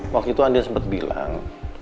waktu itu andin sempet bilang